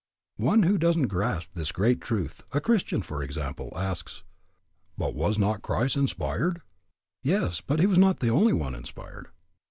One who doesn't grasp this great truth, a Christian, for example, asks "But was not Christ inspired?" Yes, but he was not the only one inspired.